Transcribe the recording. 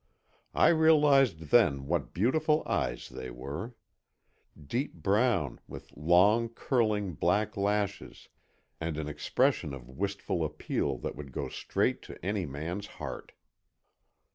I realized then what beautiful eyes they were. Deep brown, with long, curling black lashes, and an expression of wistful appeal that would go straight to any man's heart.